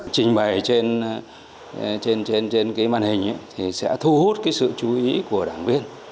trình bày trên màn hình sẽ thu hút sự chú ý của đảng viên